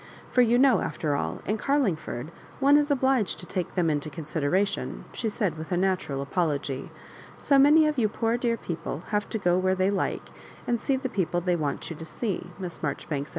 " For you l^now, after all, © Carlingford one is obliged to Digitized by VjOOQIC M MISS MAItJORIBANEa take them into consideration, she said, with a natural apology. "So many of you poor dear people have to go where they like, and see the people they want you to see," Miss Maijoribanks